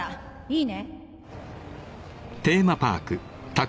いいね？